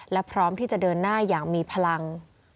และพร้อมที่จะเดินหน้าอย่างมีพลัง